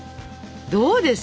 どうですか？